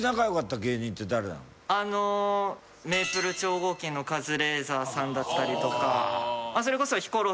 あのメイプル超合金のカズレーザーさんだったりとかそれこそ。